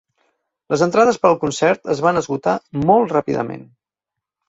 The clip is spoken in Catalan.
Les entrades per al concert es van esgotar molt ràpidament.